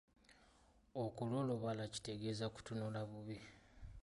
Okulolobala kitegeeza kutunula bubi.